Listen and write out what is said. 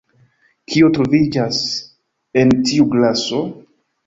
Kio troviĝas en tiu glaso?